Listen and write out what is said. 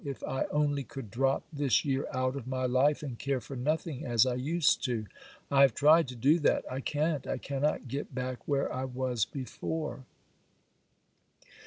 If I only could drop this year out of my life, and care for nothing, as I used to,—I have tried to do that—I can't—I cannot get back where I was before.